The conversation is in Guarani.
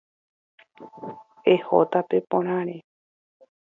Eho tape porãre.